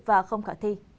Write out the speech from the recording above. và không khả thi